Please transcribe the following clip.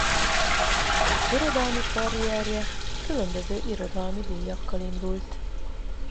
Irodalmi karrierje különböző irodalmi díjakkal indult.